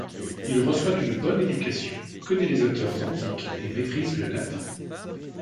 Il reçoit une bonne éducation, connaît les auteurs antiques et maîtrise le latin.